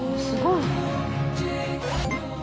すごいね。